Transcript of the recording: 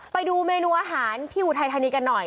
ไปดูเมนูอาหารที่อุทัยธานีกันหน่อย